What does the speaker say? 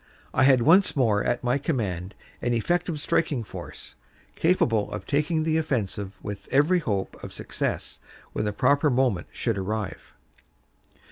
I had once more at my command an effective striking force, capable of taking the offensive with every hope of success when the proper moment should arrive."